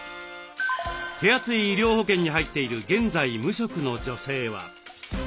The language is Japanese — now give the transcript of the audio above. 手厚い医療保険に入っている現在無職の女性は。